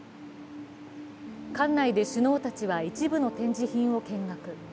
館内で首脳たちは一部の展示品を見学。